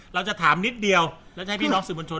เราจะถามนิดเดียวแล้วจะให้พี่น้องสื่อมวลชน